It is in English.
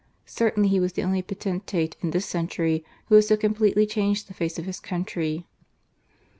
Certainly he was the only poten tate in this century who had so completely changed the face of his country.